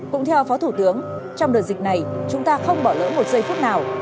cũng theo phó thủ tướng trong đợt dịch này chúng ta không bỏ lỡ một giây phút nào